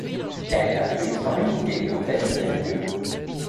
Elle est incluse dans l'unité urbaine de Périgueux.